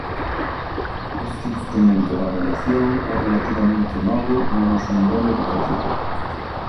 Este instrumento de avaliación é relativamente novo no noso nivel educativo.